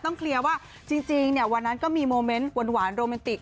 เคลียร์ว่าจริงเนี่ยวันนั้นก็มีโมเมนต์หวานโรแมนติก